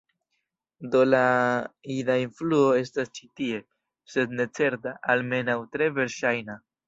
Do la jida influo estas ĉi tie, se ne certa, almenaŭ tre verŝajna.